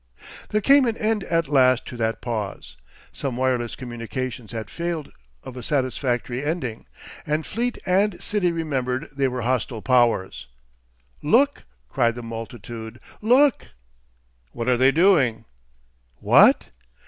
There came an end at last to that pause. Some wireless communications had failed of a satisfactory ending, and fleet and city remembered they were hostile powers. "Look!" cried the multitude; "look!" "What are they doing?" "What?"...